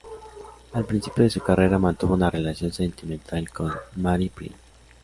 Al principio de su carrera mantuvo una relación sentimental con Mary Brian.